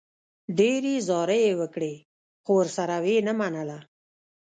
ډېرې زارۍ یې وکړې، خو ورسره و یې نه منله.